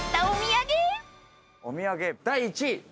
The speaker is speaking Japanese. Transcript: お土産第１位